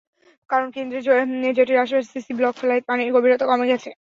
কারণ, কেন্দ্রের জেটির আশপাশে সিসি ব্লক ফেলায় পানির গভীরতা কমে গেছে।